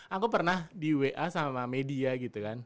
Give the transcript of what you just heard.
aku pernah di wa sama media gitu kan